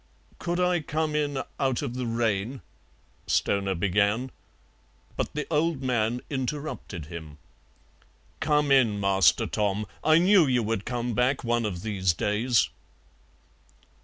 "Could I come in out of the rain?" Stoner began, but the old man interrupted him. "Come in, Master Tom. I knew you would come back one of these days."